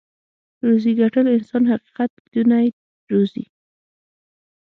روزي ګټل انسان حقيقت ليدونی روزي.